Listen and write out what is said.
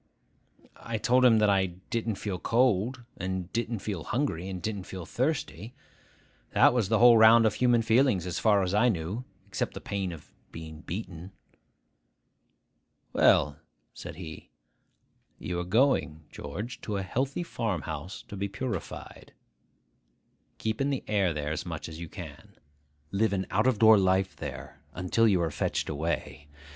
I told him that I didn't feel cold, and didn't feel hungry, and didn't feel thirsty. That was the whole round of human feelings, as far as I knew, except the pain of being beaten. 'Well,' said he, 'you are going, George, to a healthy farm house to be purified. Keep in the air there as much as you can. Live an out of door life there, until you are fetched away.